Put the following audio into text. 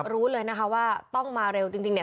รู้เลยนะคะว่าต้องมาเร็วจริงเนี่ย